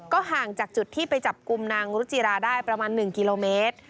ห่างจากจุดที่ไปจับกลุ่มนางรุจิราได้ประมาณ๑กิโลเมตร